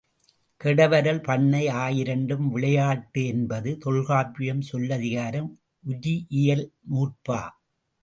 கெடவரல், பண்ணை ஆயிரண்டும் விளையாட்டு என்பது, தொல்காப்பியம் சொல்லதிகாரம் உரியியல் நூற்பா.